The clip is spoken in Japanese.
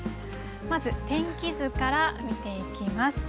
まず天気図から見ていきます。